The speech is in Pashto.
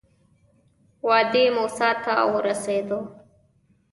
وادي موسی ته ورسېدو.